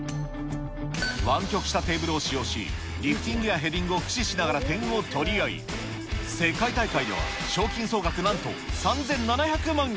湾曲したテーブルを使用し、リフティングやヘディングを駆使しながら点を取り合い、世界大会では賞金総額なんと３７００万円。